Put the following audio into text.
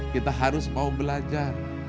kita harus mau belajar